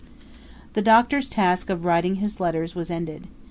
The Doctor's task of writing his letters was ended.